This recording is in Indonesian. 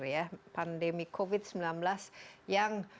bahkan jumlah kasusnya